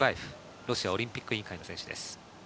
ロシアオリンピック委員会の選手です。